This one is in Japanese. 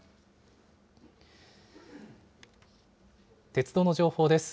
鉄道の情報です。